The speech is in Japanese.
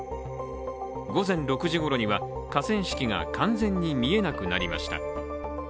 午前６時ごろには、河川敷が完全に見えなくなりました。